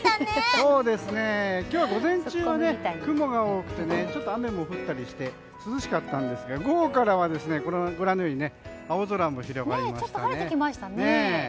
今日は午前中は雲が多くて雨も降ったりして涼しかったんですけど午後からはご覧のように青空も広がりました。